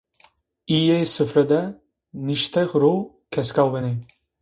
İyê sıfre de niştê ro keska wenê.